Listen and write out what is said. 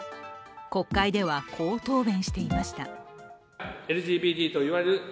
国会では、こう答弁していました。